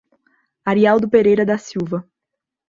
Arialdo Pereira da Silva